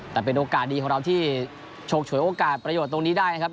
แต่เป็นโอกาสดีของเราที่ฉกฉวยโอกาสประโยชน์ตรงนี้ได้นะครับ